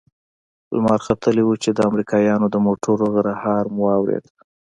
لمر ختلى و چې د امريکايانو د موټرو غرهار مو واورېد.